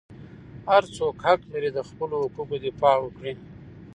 هر څوک حق لري د خپلو حقوقو دفاع وکړي.